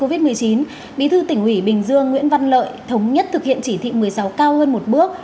covid một mươi chín bí thư tỉnh ủy bình dương nguyễn văn lợi thống nhất thực hiện chỉ thị một mươi sáu cao hơn một bước